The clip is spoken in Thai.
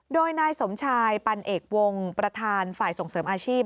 โดยนายสมชายปันเอกวงประธานฝ่ายส่งเสริมอาชีพ